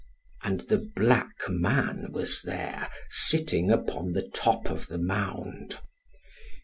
And the black man was there, sitting upon the top of the mound.